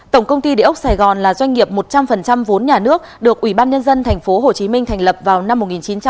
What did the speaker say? tổng công ty địa ốc sài gòn là doanh nghiệp một trăm linh vốn nhà nước được ủy ban nhân dân tp hcm thành lập vào năm một nghìn chín trăm bảy mươi